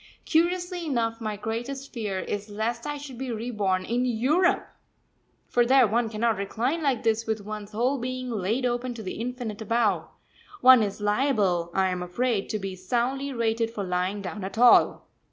Curiously enough, my greatest fear is lest I should be reborn in Europe! For there one cannot recline like this with one's whole being laid open to the infinite above one is liable, I am afraid, to be soundly rated for lying down at all.